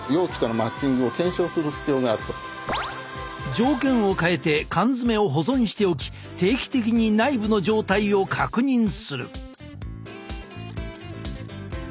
条件を変えて缶詰を保存しておき定期的に内部の状態を確認する。